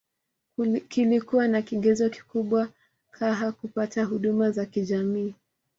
Kilikua ni kigezo kikubwa caha kupata huduma za kijamii